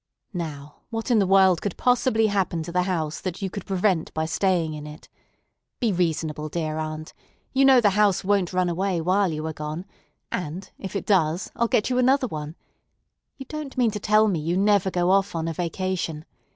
"Now, what in the world could possibly happen to the house that you could prevent by staying in it? Be reasonable, dear aunt. You know the house won't run away while you are gone, and, if it does, I'll get you another one. You don't mean to tell me you never go off on a vacation.